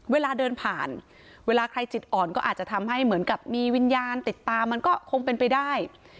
เวลาเดินผ่านเวลาใครจิตอ่อนก็อาจจะทำให้เหมือนกับมีวิญญาณติดตามมันก็คงเป็นไปได้